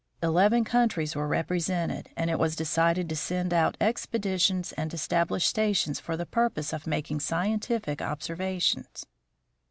Eleven coun tries were represented, and it was decided to send out expeditions and establish stations for the purpose of mak ing scientific observations.